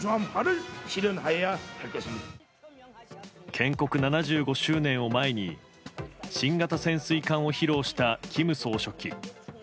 建国７５周年を前に新型潜水艦を披露した金総書記。